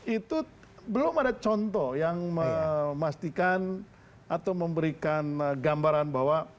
itu belum ada contoh yang memastikan atau memberikan gambaran bahwa